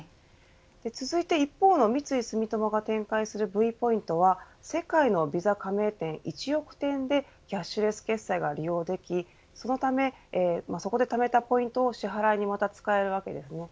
続いて、一方の三井住友が展開するＶポイントは世界のＶＩＳＡ加盟店１億店でキャッシュレス決済が利用できそのため、そこでためたポイントを支払いにまた、使えるわけですね。